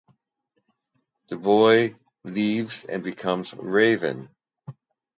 The boy leaves, and becomes Raven.